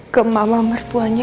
ke mama mertuanya